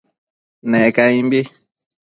Ne caimbi